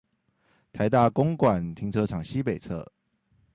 臺大公館停車場西北側